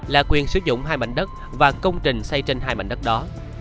là quyền sử dụng hai mảnh đất và công trình xây trên hai mảnh đất đó